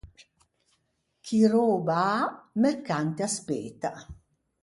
Chi röba à, mercante aspeta.